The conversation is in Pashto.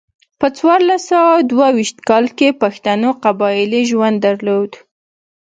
په څوارلس سوه دوه ویشت کال کې پښتنو قبایلي ژوند درلود.